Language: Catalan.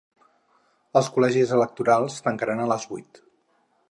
Els col·legis electorals tancaran a les vuit.